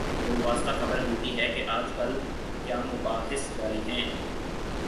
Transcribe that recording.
بالواسطہ خبر ملتی ہے کہ آج کل کیا مباحث جاری ہیں۔